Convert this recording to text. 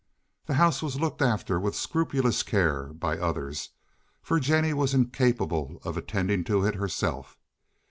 The house was looked after with scrupulous care by others, for Jennie was incapable of attending to it herself.